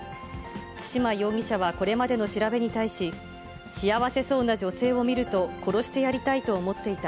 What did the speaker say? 対馬容疑者はこれまでの調べに対し、幸せそうな女性を見ると殺してやりたいと思っていた。